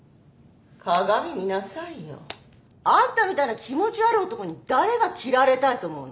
鏡見なさいよ。あんたみたいな気持ち悪い男に誰が切られたいと思うの？